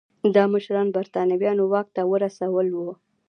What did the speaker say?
دا مشران برېټانویانو واک ته ورسول وو.